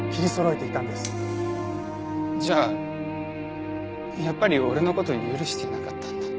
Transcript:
じゃあやっぱり俺の事許してなかったんだ。